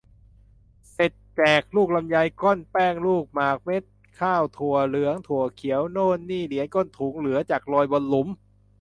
เสร็จแจก ลูกลำไย ก้อนแป้งลูกหมาก เมล็ดข้าวถั่วเหลืองถั่วเขียวโน่นนี่ เหรียญก้นถุง เหลือจากโรยบนหลุม